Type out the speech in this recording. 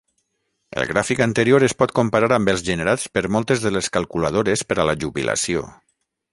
El gràfic anterior es pot comparar amb els generats per moltes de les calculadores per a la jubilació.